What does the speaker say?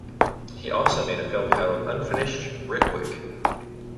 He has also made a film titled "Unfinished Ritwik".